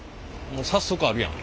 もう早速あるやん。